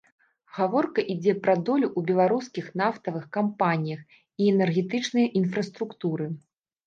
Гаворка ідзе пра долю ў беларускіх нафтавых кампаніях і энергетычнай інфраструктуры.